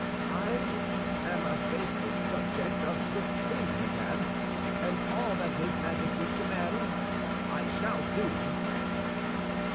"I am a faithful subject of the king, madame, and all that his Majesty commands I shall do."